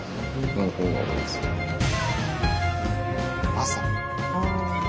朝。